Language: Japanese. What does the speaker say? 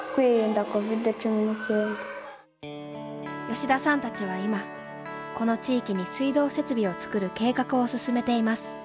吉田さんたちは今この地域に水道設備を作る計画を進めています。